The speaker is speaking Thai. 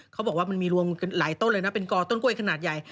เขาบอกว่ามันมีรวมหลายต้นเลยนะเป็นกอต้นกล้วยขนาดใหญ่